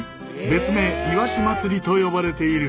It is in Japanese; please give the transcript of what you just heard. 別名イワシ祭りと呼ばれている。